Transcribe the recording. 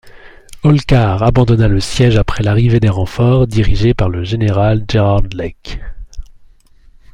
Holkar abandonna le siège après l'arrivée des renforts dirigés par le général Gerard Lake.